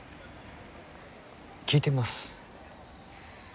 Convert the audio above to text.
聞いてみます。